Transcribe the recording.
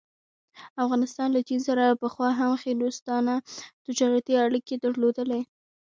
افغانستان له چین سره پخوا هم ښې دوستانه تجارتي اړيکې درلودلې.